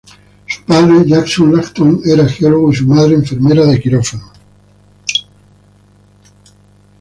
Su padre, Jackson Langton era geólogo y su madre enfermera de quirófano.